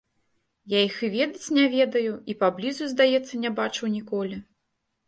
Я іх і ведаць не ведаю і паблізу, здаецца, не бачыў ніколі.